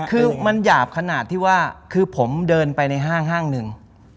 คือมันหยาบขนาดที่ว่าคือผมเดินไปในห้างห้างหนึ่ง